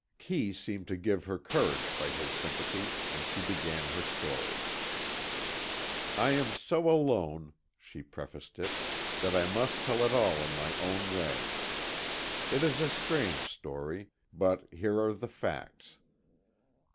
Kee seemed to give her courage by his sympathy, and she began her story. "I am so alone," she prefaced it, "that I must tell it all in my own way. It is a strange story, but here are the facts.